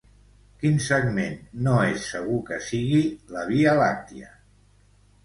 Quin segment no és segur que sigui la Via Làctia?